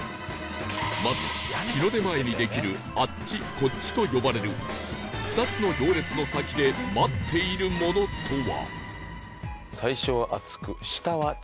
まずは日の出前にできる「あっち」「こっち」と呼ばれる２つの行列の先で待っているものとは？